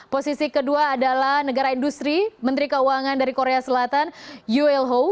posisi kedua adalah negara industri menteri keuangan dari korea selatan yuelhoe